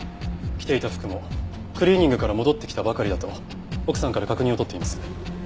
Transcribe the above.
着ていた服もクリーニングから戻ってきたばかりだと奥さんから確認を取っています。